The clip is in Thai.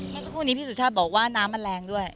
เมื่อสักครู่นี้พี่สุชาติบอกว่าน้ำมันแรงด้วย